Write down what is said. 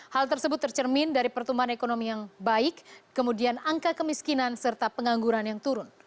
hal tersebut tercermin dari pertumbuhan ekonomi yang baik kemudian angka kemiskinan serta pengangguran yang turun